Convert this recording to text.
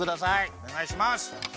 おねがいします。